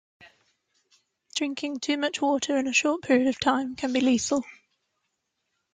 Drinking too much water in a short period of time can be lethal.